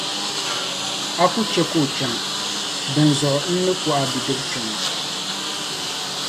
a ku chɛ ka o chaŋ, dinzuɣu n ni ku a bidib’ kpɛma.